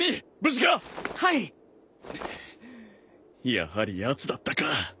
やはりやつだったか。